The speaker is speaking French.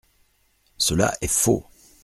Cela est faux.